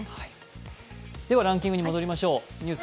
ではランキングに戻りましょう。